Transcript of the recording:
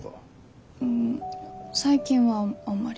うん最近はあんまり。